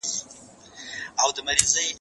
زه سبزیحات نه تياروم!؟